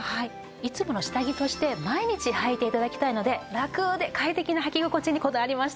いつもの下着として毎日はいて頂きたいのでラクで快適なはき心地にこだわりました。